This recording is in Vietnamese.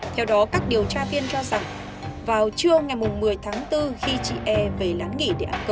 theo đó các điều tra viên cho rằng vào trưa ngày một mươi tháng bốn khi chị e về lán nghỉ